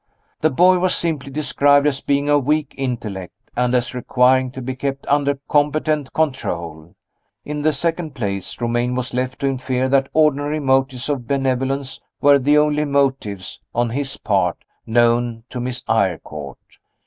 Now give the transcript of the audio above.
The boy was simply described as being of weak intellect, and as requiring to be kept under competent control. In the second place, Romayne was left to infer that ordinary motives of benevolence were the only motives, on his part, known to Miss Eyrecourt.